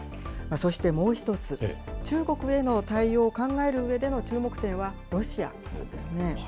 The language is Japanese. そしてもう一つ、中国への対応を考えるうえでの注目点はロシアですね。